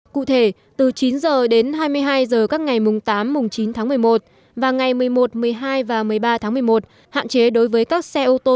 cụ thể từ chín h đến hai mươi hai h các ngày tám chín một mươi một và ngày một mươi một một mươi hai một mươi ba một mươi một hạn chế đối với các xe ô tô